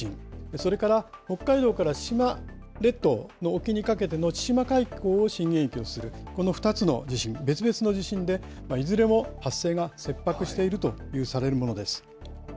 それから、北海道から千島列島沖にかけての千島海溝を震源域とするこの２つの地震、別々の地震で、いずれも発生が切迫しているとされるものです。